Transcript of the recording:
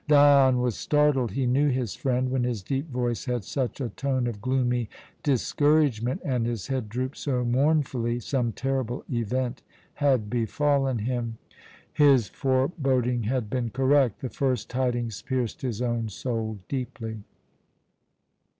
Dion was startled. He knew his friend. When his deep voice had such a tone of gloomy discouragement, and his head drooped so mournfully, some terrible event had befallen him. His foreboding had been correct. The first tidings pierced his own soul deeply.